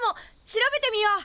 調べてみよう。